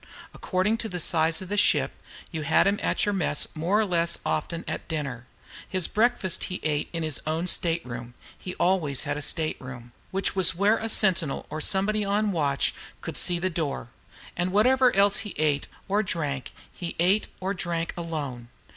According to the size of the ship, you had him at your mess more or less often at dinner. His breakfast he ate in his own state room, he always had a state room which was where a sentinel or somebody on the watch could see the door. And whatever else he ate or drank, he ate or drank alone.